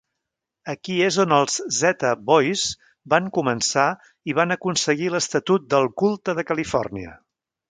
Aquí és on els Z-Boys van començar i van aconseguir l'estatut del culte de Califòrnia.